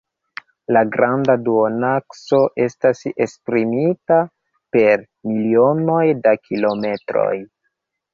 La granda duonakso estas esprimita per milionoj da kilometroj.